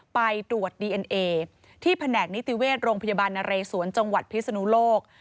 ไปตรวจดีเอ็นเอที่แผนกนิติเวชโรงพยาบาลนเรศวรจังหวัดพิศนุโลก